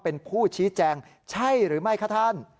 เป็นผู้ชี้แจงใช่หรือไม่คะท่าน